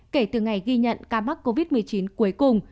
kể từ ngày ghi nhận ca mắc covid một mươi chín cuối cùng